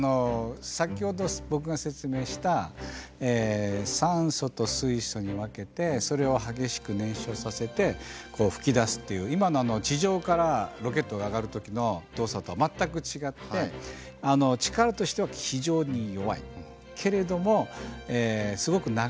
先ほど僕が説明した酸素と水素に分けてそれを激しく燃焼させて噴き出すっていう今の地上からロケットが上がるときの動作とは全く違って力としては非常に弱い。